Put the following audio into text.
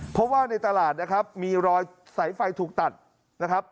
เพราะว่าในตลาดนะครับมีรอยสายไฟถูกตัดนะครับ